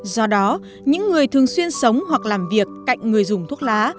do đó những người thường xuyên sống hoặc làm việc cạnh người dùng thuốc lá